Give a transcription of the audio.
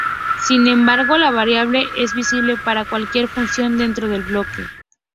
Sin embargo, la variable es visible para cualquier función dentro del bloque.